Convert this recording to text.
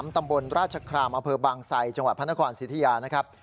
ตำบลราชครามอำเภอบางไซจังหวัดพระนครสิทธิยานะครับ